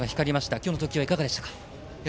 今日の投球はいかがでしたか？